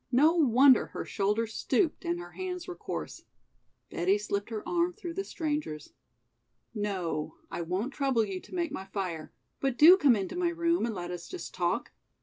No wonder her shoulders stooped and her hands were coarse. Betty slipped her arm through the stranger's. "No, I won't trouble you to make my fire, but do come into my room and let us just talk.